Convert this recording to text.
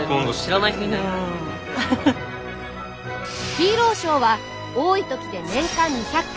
ヒーローショーは多い時で年間２００回。